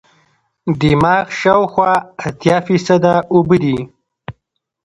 دماغ شاوخوا اتیا فیصده اوبه دي.